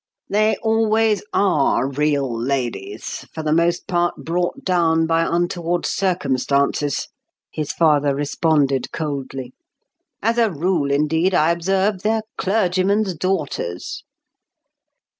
"They always are real ladies—for the most part brought down by untoward circumstances," his father responded coldly. "As a rule, indeed, I observe, they're clergyman's daughters."